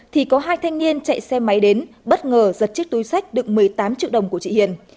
thì có hai thanh niên chạy xe máy đến bất ngờ giật chiếc túi sách được một mươi tám triệu đồng của chị hiền